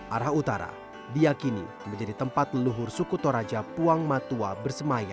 arah utara diakini menjadi tempat leluhur suku toraja puang matua bersemaya